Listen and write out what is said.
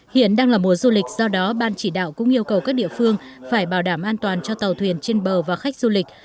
hiện đang là mùa du lịch do đó ban chỉ đạo cũng yêu cầu các địa phương phải bảo đảm an toàn cho tàu thuyền trên bờ và khách du lịch